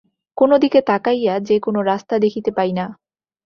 কোনো দিকে তাকাইয়া যে কোনো রাস্তা দেখিতে পাই না।